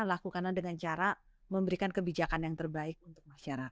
lakukanlah dengan cara memberikan kebijakan yang terbaik untuk masyarakat